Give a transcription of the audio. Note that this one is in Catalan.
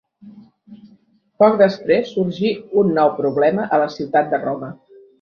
Poc després sorgí un nou problema a la ciutat de Roma.